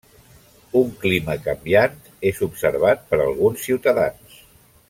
Un clima canviant és observat per alguns ciutadans.